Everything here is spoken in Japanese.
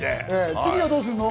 次はどうするの？